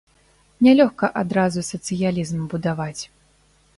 Нялёгка адразу сацыялізм будаваць.